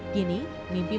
gini mimpi memperbaiki